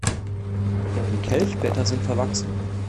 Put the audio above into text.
Die Kelchblätter sind verwachsen.